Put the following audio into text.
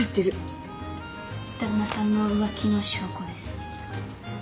旦那さんの浮気の証拠です。